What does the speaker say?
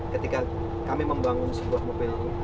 ketika kami membangun sebuah mobil